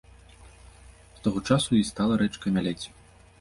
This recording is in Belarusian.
З таго часу і стала рэчка мялець.